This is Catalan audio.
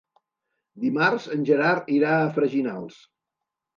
Dimarts en Gerard irà a Freginals.